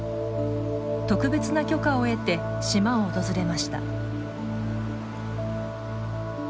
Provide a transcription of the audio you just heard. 特別な許可を得て島を訪れました。